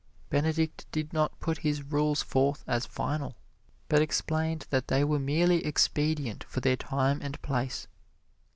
Benedict did not put his rules forth as final, but explained that they were merely expedient for their time and place.